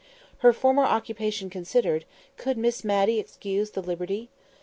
"Her former occupation considered, could Miss Matty excuse the liberty?"